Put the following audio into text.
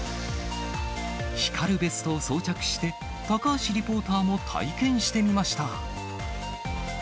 光るベストを装着して、高橋リポーターも体験してみました。